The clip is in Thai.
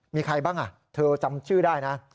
มีใครบ้างเธอจำชื่อได้นะ